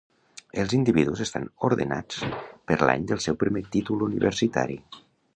Els individus estan ordenats per l'any del seu primer títol universitari.